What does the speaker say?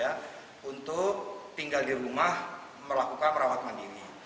ya untuk tinggal di rumah melakukan perawat mandiri